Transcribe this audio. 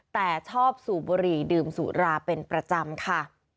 แต่ชอบสูบบุหรี่ดื่มสุราเป็นประจำค่ะ